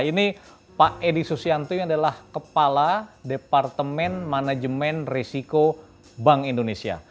ini pak edi susianto ini adalah kepala departemen manajemen risiko bank indonesia